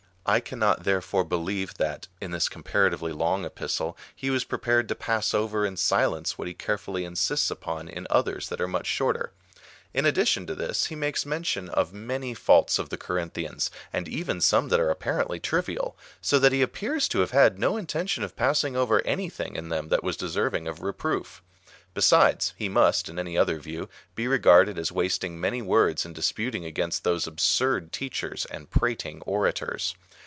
I cannot therefore believe that, in this comparatively long Epistle, he Avas prepared to pass over in silence what he carefully insists upon in otliers that are FIRST EPISTLE TO THE CORINTHIANS. 39 mucli shorter. In addition to this, he makes mention of many faults of the Corinthians, and even some that are ap parently trivial, so that he appears to have had no intention of passing over any thing in them that was deserving of reproof Besides, he must, in any other view, be regarded as wasting many words in disputing against those absurd teachers and prating orators.